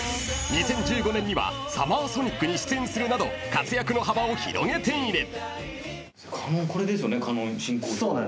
［２０１５年にはＳＵＭＭＥＲＳＯＮＩＣに出演するなど活躍の幅を広げている］